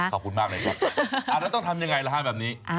ขอบคุณมากนะครับแล้วต้องทำยังไงแบบนี้